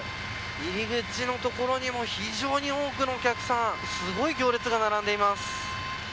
入り口の所にも非常に多くのお客さんすごい行列が並んでいます。